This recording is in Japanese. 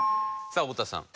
さあ太田さん。